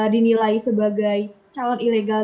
dinilai sebagai calon ilegal